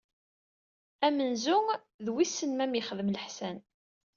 Amenzu d "Wissen ma ad am-yexdem leḥsan."